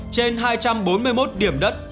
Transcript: trên hai trăm bốn mươi một điểm đất